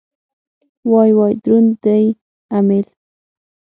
وای وای دروند دی امېل.